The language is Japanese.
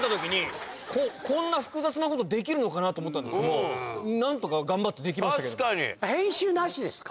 こんな複雑なこと。と思ったんですけど何とか頑張ってできましたけど。